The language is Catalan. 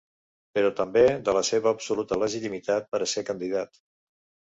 Però també de la seva absoluta legitimitat per a ser candidat.